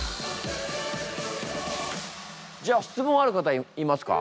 じゃあ質問ある方いますか？